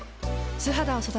素肌を育てる。